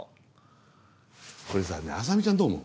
これさあさみちゃんどう思う？